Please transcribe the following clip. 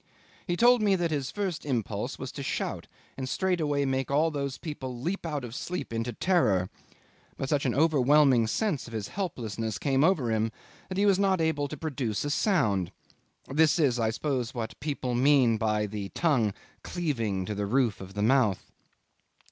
He told me that his first impulse was to shout and straightway make all those people leap out of sleep into terror; but such an overwhelming sense of his helplessness came over him that he was not able to produce a sound. This is, I suppose, what people mean by the tongue cleaving to the roof of the mouth.